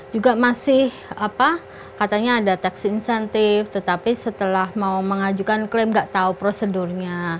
juga masih apa katanya ada tax incentive tetapi setelah mau mengajukan klaim nggak tahu prosedurnya